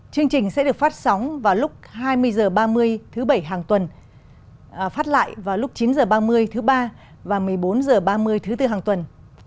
chương trình sẽ được phát sóng vào lúc hai mươi h ba mươi thứ bảy hàng tuần phát lại vào lúc chín h ba mươi thứ ba và một mươi bốn h ba mươi thứ tư hàng tuần